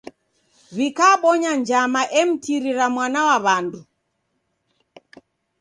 Wikabonya njama emtirira mwana wa w'andu.